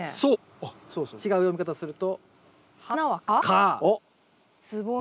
おっ違う読み方をすると？